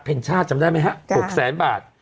วัดเพชรชาทจำได้มั้ยฮะ๖๐๐๐๐๐บาท